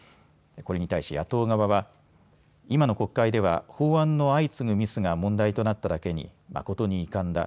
これに対し野党側は今の国会では法案の相次ぐミスが問題となっただけに誠に遺憾だ。